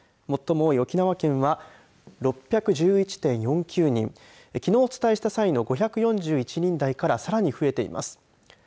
最も多い沖縄県は６１１．４９人きのうお伝えした際の５４１人台からさらに増えています。